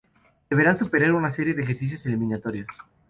Deberán superar una serie de ejercicios eliminatorios.